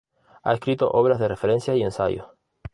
Ha escrito obras de referencia y ensayos.